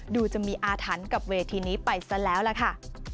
ดูจะมีอาถรรพ์กับเวทีนี้ไปซะแล้วล่ะค่ะ